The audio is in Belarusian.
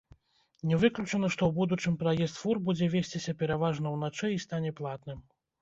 Не выключана, што ў будучым праезд фур будзе весціся пераважна ўначы і стане платным.